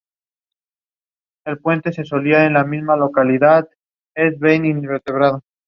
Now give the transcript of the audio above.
Treating hypermobility syndrome can be difficult.